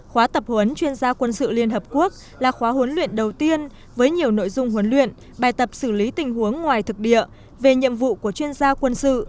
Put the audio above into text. khóa tập huấn chuyên gia quân sự liên hợp quốc là khóa huấn luyện đầu tiên với nhiều nội dung huấn luyện bài tập xử lý tình huống ngoài thực địa về nhiệm vụ của chuyên gia quân sự